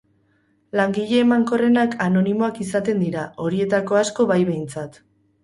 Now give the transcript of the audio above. Langile emankorrenak anonimoak izaten dira, horietako asko bai behintzat.